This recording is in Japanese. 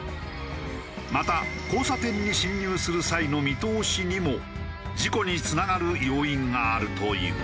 また交差点に進入する際の見通しにも事故につながる要因があるという。